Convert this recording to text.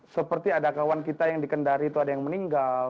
seperti ada kawan kita yang di kendari itu ada yang meninggal